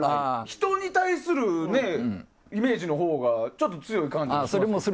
人に対するイメージのほうがちょっと強い感じがします。